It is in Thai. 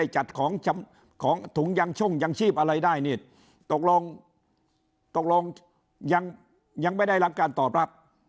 จัดของถุงยังช่งยังชีพอะไรได้นี่ตกลงตกลงยังไม่ได้รับการตอบรับ